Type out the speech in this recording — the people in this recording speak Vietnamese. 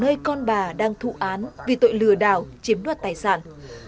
nơi con bà đang thụ án vì tội lừa đảo chiếm đoạt tài sản